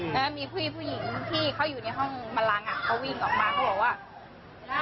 แล้วมีผู้หญิงที่เขาอยู่ในห้องบันลังอ่ะเขาวิ่งออกมาเขาบอกว่า